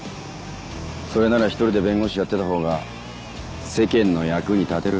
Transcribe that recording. それなら一人で弁護士やってたほうが世間の役に立てる。